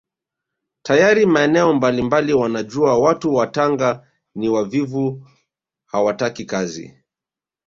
Tayari maeneo mbalimbali wanajua watu wa Tanga ni wavivu hawataki kazi